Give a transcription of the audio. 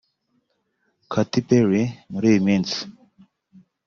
Katy Perry muri iyi minsi